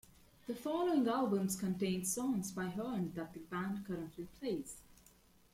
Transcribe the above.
The following albums contain songs by Hearn that the band currently plays.